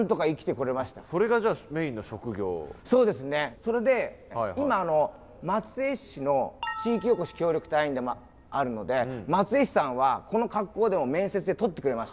それで今松江市の地域おこし協力隊員でもあるので松江市さんはこの格好でも面接で採ってくれました。